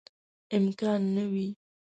امکان نه وي.